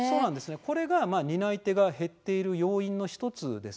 これが担い手が減っている要因の１つです。